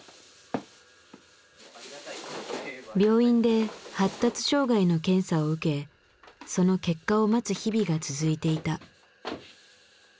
病院で発達障害の検査を受けその結果を待つ日々が続いていた。